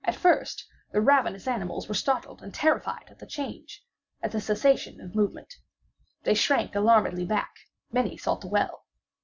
At first the ravenous animals were startled and terrified at the change—at the cessation of movement. They shrank alarmedly back; many sought the well.